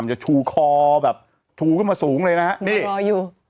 มันจะชูคอแบบชูขึ้นมาสูงเลยนะครับ